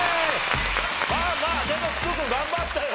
まあまあでも福君頑張ったよ！